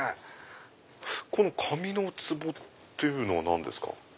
この紙の壺っていうのは何ですか？